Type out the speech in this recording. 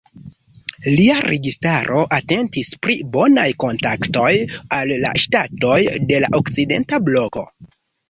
Lia registaro atentis pri bonaj kontaktoj al la ŝtatoj de la okcidenta bloko.